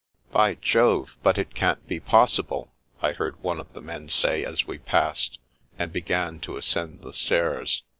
" By Jove, but it can't be possible !" I heard one of the men say as we passed and began to ascend the stairs.